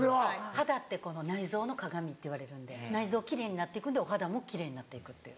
肌って内臓の鏡っていわれるんで内臓奇麗になっていくんでお肌も奇麗になっていくっていう。